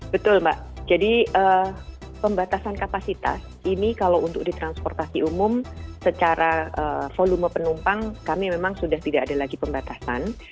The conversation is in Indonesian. betul mbak jadi pembatasan kapasitas ini kalau untuk di transportasi umum secara volume penumpang kami memang sudah tidak ada lagi pembatasan